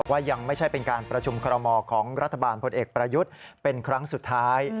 ยังไม่ใช่เป็นการประชุมคอรมอของรัฐบาลพลเอกประยุทธ์เป็นครั้งสุดท้าย